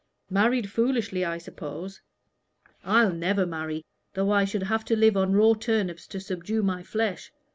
Married foolishly, I suppose. I'll never marry, though I should have to live on raw turnips to subdue my flesh.